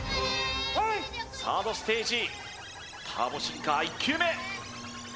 プレイサードステージターボシンカ−１球目！